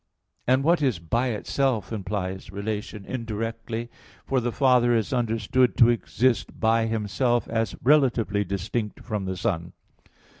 And what is "by itself" implies relation indirectly; for the Father is understood to exist "by Himself," as relatively distinct from the Son.